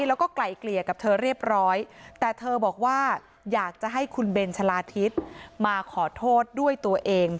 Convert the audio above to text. แล้วก็ไกลเกลี่ยกับเธอเรียบร้อยแต่เธอบอกว่าอยากจะให้คุณเบนชะลาทิศมาขอโทษด้วยตัวเอง